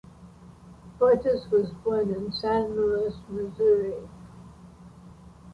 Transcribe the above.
Fortus was born in Saint Louis, Missouri.